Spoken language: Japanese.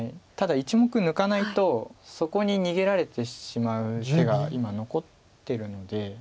ただ１目抜かないとそこに逃げられてしまう手が今残ってるので。